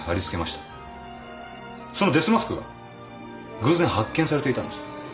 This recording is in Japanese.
そのデスマスクが偶然発見されていたんです。